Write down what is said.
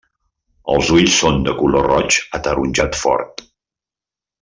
Els ulls són de color roig ataronjat fort.